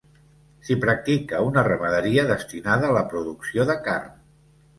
S'hi practica una ramaderia destinada a la producció de carn.